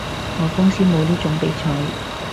我公司冇呢種比賽